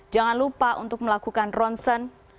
jangan lupa untuk melakukan ronsen